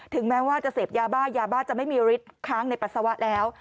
แม้ว่าจะเสพยาบ้ายาบ้าจะไม่มีฤทธิ์ค้างในปัสสาวะแล้ว